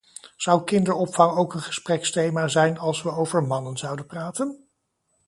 Zou kinderopvang ook een gespreksthema zijn als we over mannen zouden praten?